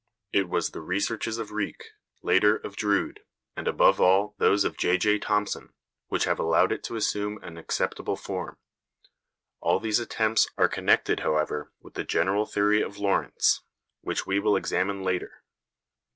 It was the researches of Riecke, later, of Drude, and, above all, those of J.J. Thomson, which have allowed it to assume an acceptable form. All these attempts are connected however with the general theory of Lorentz, which we will examine later.